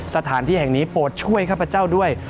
สถานที่แห่งนี้โปรดช่วยข้าพเจ้าด้วย